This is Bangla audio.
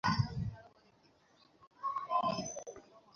ভন্ডকে উল্টালে হয় গেন্ডয়া।